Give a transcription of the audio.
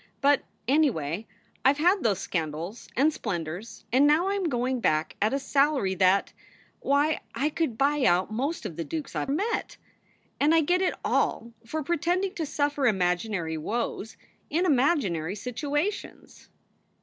But, anyway, I ve had those scandals and splendors, and now I m going back at a salary that Why, I could buy out most of the dukes I ve met! And I get it all for pretending to suffer imaginary woes in imaginary situations.